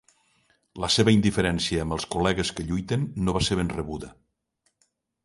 La seva indiferència amb els col·legues que lluiten no va ser ben rebuda.